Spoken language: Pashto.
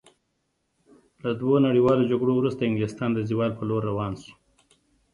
له دوو نړیوالو جګړو وروسته انګلستان د زوال په لور روان شو.